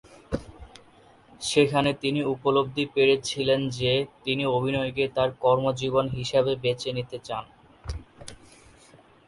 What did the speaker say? সেখানে তিনি উপলব্ধি পেরেছিলেন যে, তিনি অভিনয়কে তার কর্মজীবন হিসেবে বেছে নিতে চান।